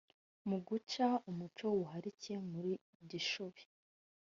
Mu guca umuco w’ubuharike muri Gishubi